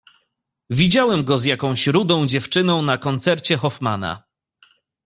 Widziałem go z jakąś rudą dziewczyną na koncercie Hoffmana.